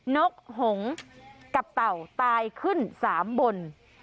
นกหงกับเต่าตายขึ้น๓บน